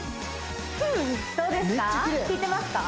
どうですか効いてますか？